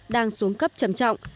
đang xuống cấp chẩm trọng